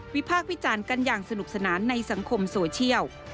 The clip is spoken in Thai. พากษ์วิจารณ์กันอย่างสนุกสนานในสังคมโซเชียล